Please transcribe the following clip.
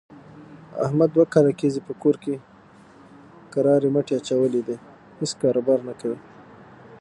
احمد دوه کاله کېږي په کور کرارې مټې اچولې دي، هېڅ کاروبار نه کوي.